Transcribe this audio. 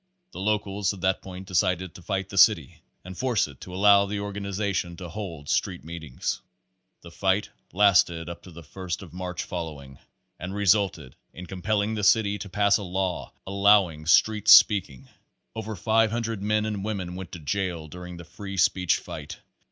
The locals at that point decided to fight the city and force it to allow the organization to hold street meetings. The fight lasted up to the first of March following, and resulted in compelling the city to pass a law allowing street speak ing. Over 500 men and women went to jail during the free speech fight.